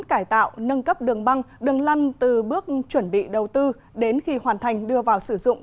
cải tạo nâng cấp đường băng đường lăn từ bước chuẩn bị đầu tư đến khi hoàn thành đưa vào sử dụng